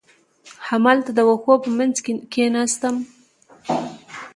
همالته د وښو په منځ کې کېناستم.